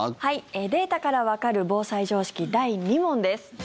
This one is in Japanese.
データからわかる防災常識第２問です。